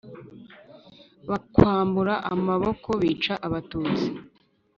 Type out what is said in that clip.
bakwambura amaboko bica abatutsi